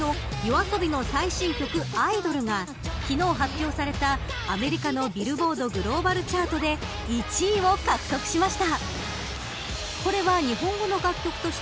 ユーチューブで再生回数１億４０００万回超えのＹＯＡＳＯＢＩの最新曲アイドルが昨日発表された、アメリカのビルボード・グローバル・チャートで１位を獲得しました。